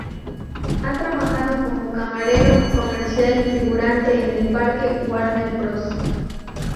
Ha trabajado como camarero, comercial y figurante en el Parque Warner Bros.